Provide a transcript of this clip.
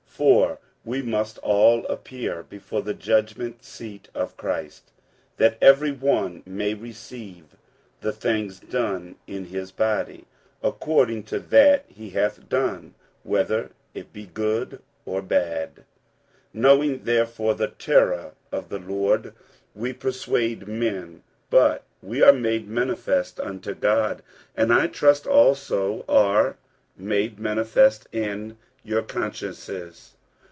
47:005:010 For we must all appear before the judgment seat of Christ; that every one may receive the things done in his body, according to that he hath done, whether it be good or bad. 47:005:011 Knowing therefore the terror of the Lord, we persuade men; but we are made manifest unto God; and I trust also are made manifest in your consciences.